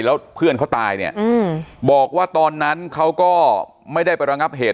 แล้วเพื่อนเขาตายเนี่ยบอกว่าตอนนั้นเขาก็ไม่ได้ไประงับเหตุ